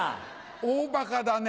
大バカだね。